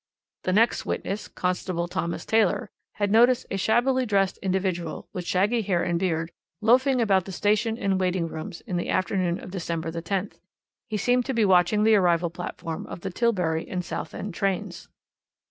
"The next witness, Constable Thomas Taylor, had noticed a shabbily dressed individual, with shaggy hair and beard, loafing about the station and waiting rooms in the afternoon of December the 10th. He seemed to be watching the arrival platform of the Tilbury and Southend trains.